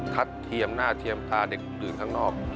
เทียมหน้าเทียมทาเด็กดื่มข้างนอก